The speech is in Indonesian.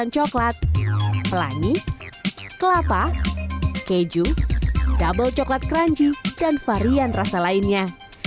coklat pelangi kelapa keju double coklat crunchy dan varian rasa lainnya